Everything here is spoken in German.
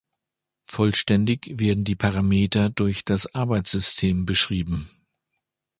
Vollständig werden die Parameter durch das Arbeitssystem beschrieben.